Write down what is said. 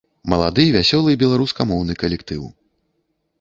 Малады вясёлы беларускамоўны калектыў.